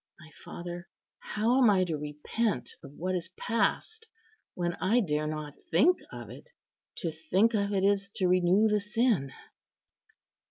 My father, how am I to repent of what is past, when I dare not think of it? To think of it is to renew the sin."